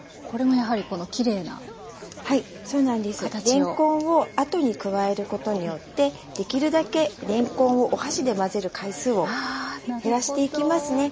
れんこんをあとに加えることによってできるだけれんこんをお箸で混ぜる回数を減らしていきますね。